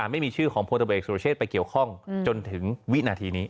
ไม่มีชื่อของพลตำรวจเอกสุรเชษไปเกี่ยวข้องจนถึงวินาทีนี้